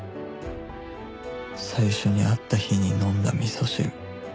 最初に会った日に飲んだ味噌汁